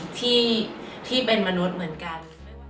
ที่เป็นมนุษย์เหมือนกัน